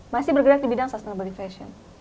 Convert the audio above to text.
masih bergerak di bidang sustainable di fashion